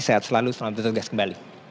sehat selalu selamat bertugas kembali